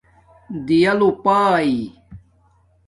دِیݳ لوپݳئئ